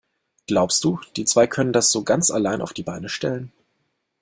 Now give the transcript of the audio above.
Glaubst du, die zwei können das so ganz alleine auf die Beine stellen?